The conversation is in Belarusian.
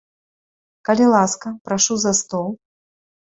Калі ласка, прашу за стол.